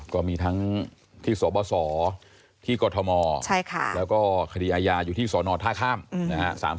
ก็มีทั้งที่สบสที่กรทมแล้วก็คดีอาญาอยู่ที่สอนอท่าข้ามนะฮะ